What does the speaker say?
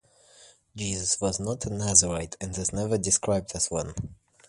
Jesus was not a nazirite and is never described as one.